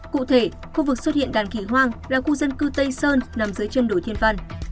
cụ thể khu vực xuất hiện đàn khỉ hoang là khu dân cư tây sơn nằm dưới chân đồi thiên văn